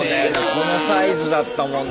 このサイズだったもんな。